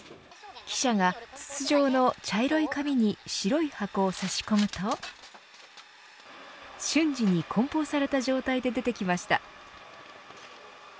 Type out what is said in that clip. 記者が、筒状の茶色い紙に白い箱を差し込むと瞬時に梱包された状態で出てきました。